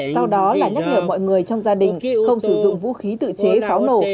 sau đó là nhắc nhở mọi người trong gia đình không sử dụng vũ khí tự chế pháo nổ